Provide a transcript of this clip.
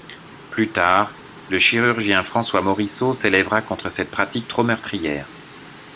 Plus tard, le chirurgien François Mauriceau s'élèvera contre cette pratique trop meurtrière.